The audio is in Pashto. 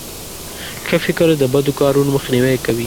ښه فکر د بدو کارونو مخنیوی کوي.